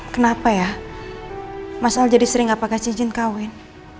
kenapa ya mas al jadi sering gak pakas izin kawin